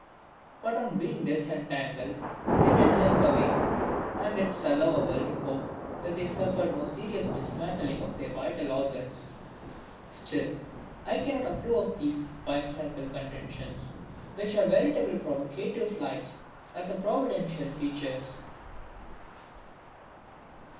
But on being disentangled they did limp away, and it is allowable to hope that they suffered no serious dismantling of their vital organs. Still, I cannot approve of these bicycle contentions, which are veritable provocative flights at the providential features.